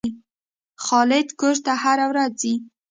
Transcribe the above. خالد کور ته هره ورځ ځي.